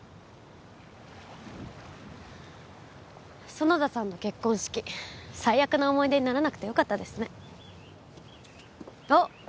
園田さんの結婚式最悪な思い出にならなくてよかったですねあっ